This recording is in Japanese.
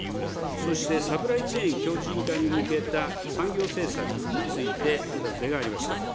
そしてサプライチェーン強じん化に向けた産業政策についてお尋ねがありました。